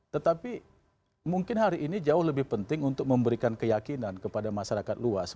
tetapi mungkin hari ini jauh lebih penting untuk memberikan keyakinan kepada masyarakat luas